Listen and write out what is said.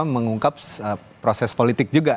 mengungkap proses politik juga